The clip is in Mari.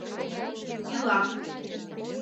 — Ила...